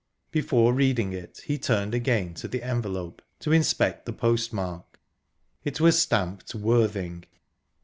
Before reading it, he turned again to the envelope, to inspect the postmark. It was stamped Worthing.